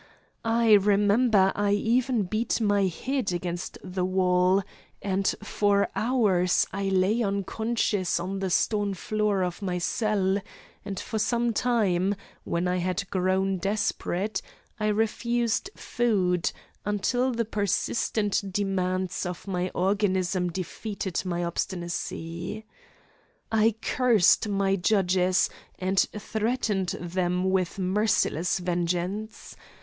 I remember I even beat my head against the wall, and for hours I lay unconscious on the stone floor of my cell; and for some time, when I had grown desperate, I refused food, until the persistent demands of my organism defeated my obstinacy. I cursed my judges and threatened them with merciless vengeance.